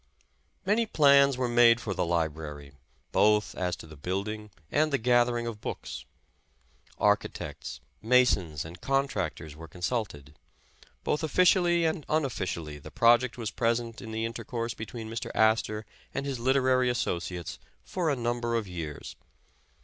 Many plans were made for the library, both as to the building and the gathering of books. Architects, masons and contractors were consulted. Both officially and un officially, the project was present in the intercourse be tween Mr. Astor and his literary associates for a num ber of years.